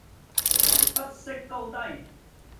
不識高低